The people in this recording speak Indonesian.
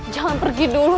jangan pergi dulu